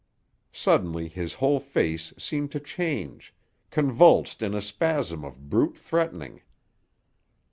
Suddenly his whole face seemed to change, convulsed in a spasm of brute threatening.